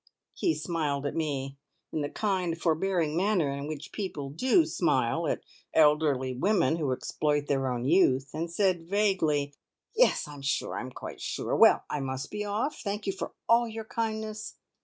He smiled at me in the kind, forbearing manner in which people do smile at elderly women who exploit their own youth, and said vaguely: "Yes, I am sure I am quite sure. Well, I must be off. Thank you for all your kindness."